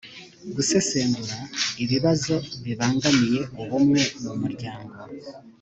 gusesengura ibibazo bibangamiye ubumwe mu muryango